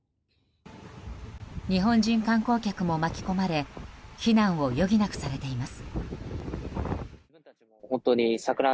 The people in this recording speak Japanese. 日本人観光客も巻き込まれ避難を余儀なくされています。